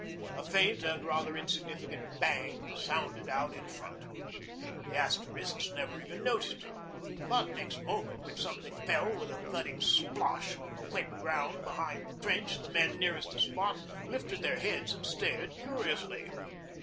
A faint and rather insignificant 'bang' sounded out in front. The Asterisks never even noticed it, but next moment when something fell with a thudding 'splosh' on the wet ground behind the trench the men nearest the spot lifted their heads and stared curiously.